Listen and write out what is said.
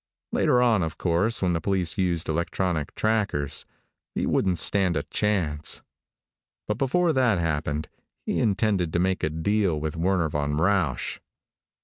Later on, of course, when the police used electronic trackers, he wouldn't stand a chance. But before that happened he intended to make a deal with Werner von Rausch.